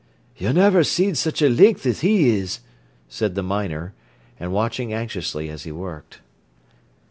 "You niver seed such a length as he is!" said the miner, and watching anxiously as he worked.